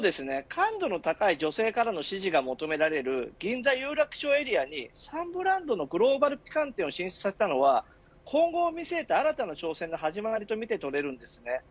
感度の高い女性からの支持が求められる銀座、有楽町エリアに３ブランドのグローバルブランド旗艦店を進出させたのは今後を見据えた新たな挑戦だと捉えられます。